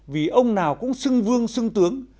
vì ông nào cũng xưng vương xưng tướng